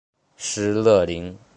施乐灵。